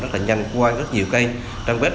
rất là nhanh qua rất nhiều cái trang web